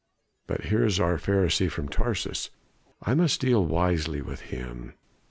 But here is our Pharisee from Tarsus; I must deal wisely with him.